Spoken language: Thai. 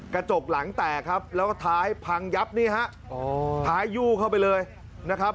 กระจกหลังแตกครับแล้วก็ท้ายพังยับนี่ฮะอ๋อท้ายยู่เข้าไปเลยนะครับ